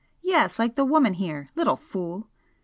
"Yes like the woman here little fool!"